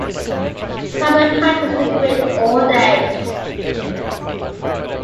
Pablo touches the grid all day.